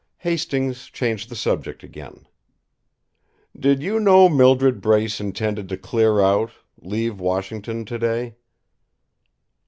Hastings changed the subject again. "Did you know Mildred Brace intended to clear out, leave Washington, today?"